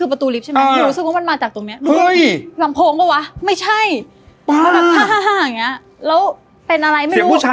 ผุชาย